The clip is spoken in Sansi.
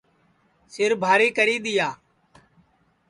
سِربھاری کری دؔیا